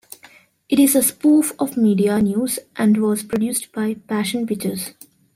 It is a spoof of media news and was produced by Passion Pictures.